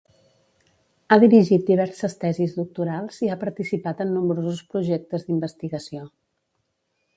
Ha dirigit diverses tesis doctorals i ha participat en nombrosos projectes d'investigació.